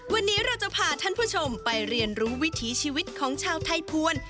วันนี้เราจะพาท่านผู้ชมไปเรียนรู้วิถีชีวิตของชาวไทยภวร